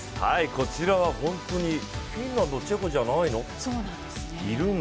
こちらは本当に、フィンランド、チェコじゃないの？